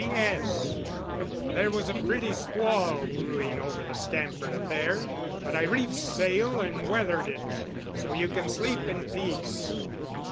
P. S. There was a pretty squall brewing over the Stamford affair, but I reefed sail and weathered it. So you can sleep in peace.